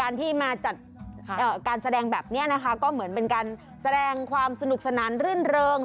การที่มาจัดการแสดงแบบนี้นะคะก็เหมือนเป็นการแสดงความสนุกสนานรื่นเริง